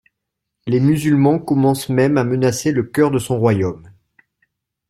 Les musulmans commencent même à menacer le cœur de son royaume.